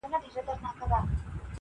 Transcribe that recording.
• خو زه مړ یم د ژوندیو برخه خورمه -